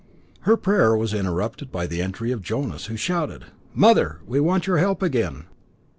Her prayer was interrupted by the entry of Jonas, who shouted: "Mother, we want your help again.